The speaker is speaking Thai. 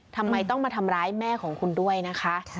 ทำไมต้องมาทำร้ายแม่ของคุณด้วยนะคะ